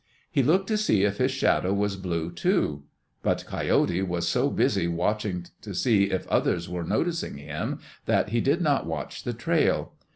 He looked to see if his shadow was blue, too. But Coyote was so busy watching to see if others were noticing him that he did not watch the trail.